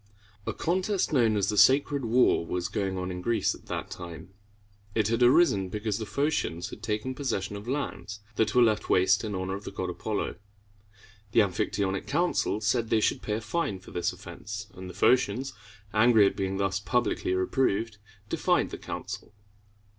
A contest known as the Sacred War was going on in Greece at that time. It had arisen because the Pho´cians had taken possession of lands that were left waste in honor of the god Apollo. The Amphictyonic Council said they should pay a fine for this offense; and the Phocians, angry at being thus publicly reproved, defied the council.